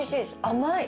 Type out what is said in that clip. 甘い。